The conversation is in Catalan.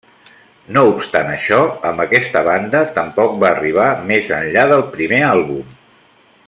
No obstant això, amb aquesta banda tampoc va arribar més enllà del primer àlbum.